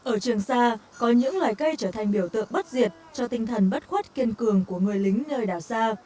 ở trường sa có những loài cây trở thành biểu tượng bất diệt cho tinh thần bất khuất kiên cường của người lính nơi đảo xa